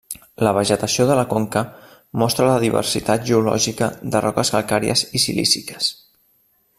La vegetació de la conca mostra la diversitat geològica de roques calcàries i silíciques.